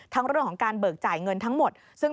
เรื่องของการเบิกจ่ายเงินทั้งหมด